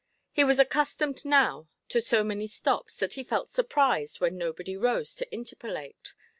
He was accustomed now to so many stops, that he felt surprised when nobody rose to interpellate.